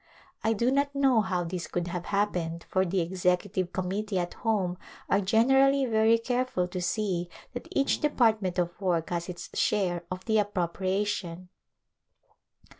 I do not know how this could have happened for the executive committee at home are generally very careful to see that each department of work has its share of the ap propriation.